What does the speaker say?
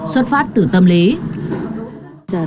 xuất phát từ tâm lý